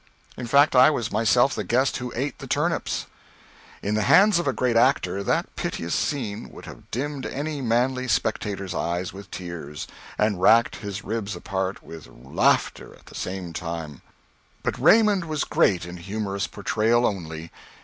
In fact I was myself the guest who ate the turnips. In the hands of a great actor that piteous scene would have dimmed any manly spectator's eyes with tears, and racked his ribs apart with laughter at the same time. But Raymond was great in humorous portrayal only.